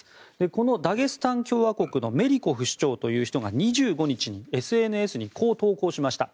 このダゲスタン共和国のメリコフ首長という人が２５日にＳＮＳにこう投稿しました。